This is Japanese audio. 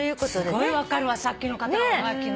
すごい分かるわさっきの方のおはがきの気持ち。